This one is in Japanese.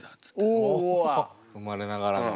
生まれながらの。